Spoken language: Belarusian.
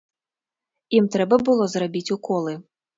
Ім трэба было зрабіць уколы.